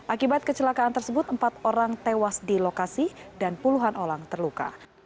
akibat kecelakaan tersebut empat orang tewas di lokasi dan puluhan orang terluka